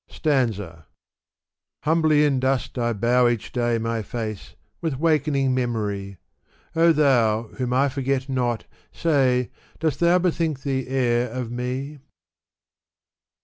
Stanza, Humbly in dust I bow each day My face, with wakening memory, O Thou ! whom I forget not, say. Dost thou bethink Thee e'er of me?